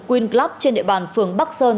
queen club trên địa bàn phường bắc sơn